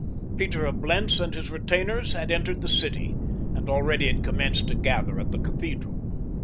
Peter of Blentz and his retainers had entered the city and already had commenced to gather at the cathedral.